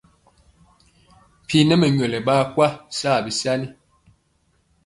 Mpi ɓa mɛnyɔlɔ ɓaa kwa swa bi sanya.